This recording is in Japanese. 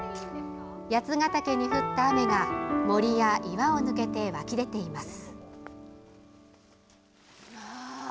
八ヶ岳に降った雨が森や岩を抜けて湧き出ています。